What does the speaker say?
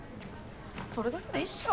それだけでいいっしょ。